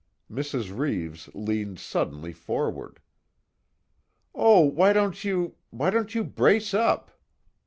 Mrs. Reeves leaned suddenly forward: "Oh, why don't you why don't you brace up?